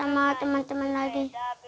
agar bisa main sama teman teman lagi